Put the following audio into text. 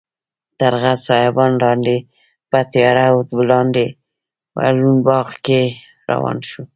تر غټ سایبان لاندې په تیاره او لوند باغ کې روان شوو.